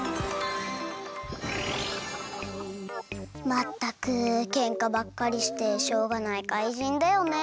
まったくケンカばっかりしてしょうがないかいじんだよね。